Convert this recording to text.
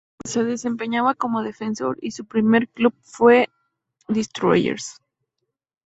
Se desempeñaba como defensor y su primer club fue Destroyers.